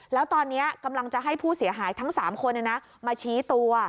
แล้วตอนนี้กำลังจะให้ผู้เสียหายทั้ง๓คนมาชี้ตัว